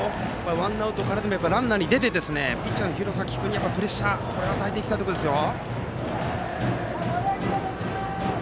ワンアウトからでもランナーで出てピッチャーの廣崎君にプレッシャーを与えていきたいところですよ。